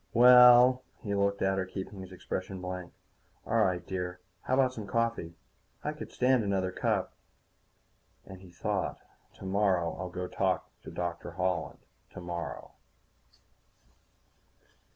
"Well." He looked at her, keeping his expression blank. "All right, dear. How about some coffee? I could stand another cup." And he thought: _Tomorrow I'll go. I'll talk to Holland tomorrow.